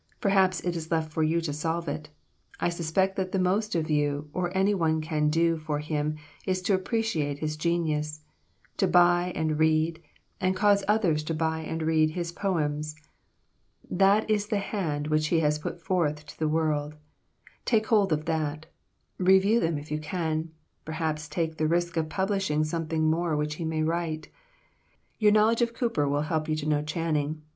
Perhaps it is left for you to solve it. I suspect that the most that you or any one can do for him is to appreciate his genius, to buy and read, and cause others to buy and read his poems. That is the hand which he has put forth to the world, take hold of that. Review them if you can, perhaps take the risk of publishing something more which he may write. Your knowledge of Cowper will help you to know Channing.